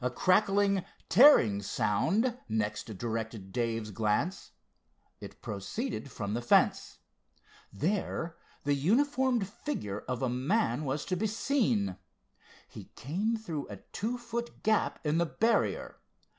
A crackling, tearing sound next directed Dave's glance. It proceeded from the fence. There the uniformed figure of a man was to be seen. He came through a two foot gap in the barrier.